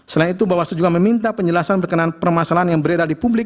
selain itu bawaslu juga meminta penjelasan berkenan permasalahan yang beredar di publik